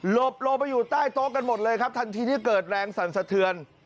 บลงไปอยู่ใต้โต๊ะกันหมดเลยครับทันทีที่เกิดแรงสั่นสะเทือน